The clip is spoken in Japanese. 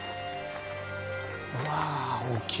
うわ大きい。